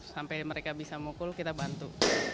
sampai mereka bisa mukul kita bantu